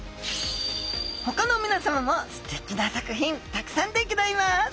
ほかのみなさまもステキな作品たくさんでギョざいます。